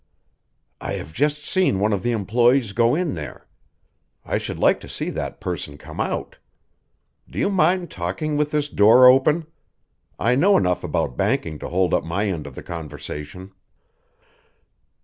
"I have just seen one of the employees go in there. I should like to see that person come out. Do you mind talking with this door open? I know enough about banking to hold up my end of the conversation."